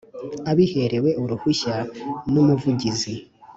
abiherewe uruhusha n umuvugizi